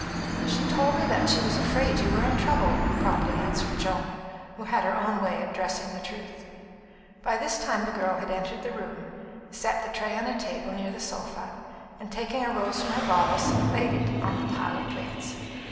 "She told me that she was afraid you were in trouble," promptly answered Joan, who had her own way of dressing the truth. By this time the girl had entered the room, set the tray on a table near the sofa, and taking a rose from her bodice, laid it on the pile of plates.